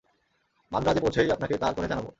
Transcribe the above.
মান্দ্রাজে পৌঁছেই আপনাকে তার করে জানাব।